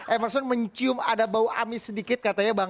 emerson mencium ada bau amis sedikit katanya bang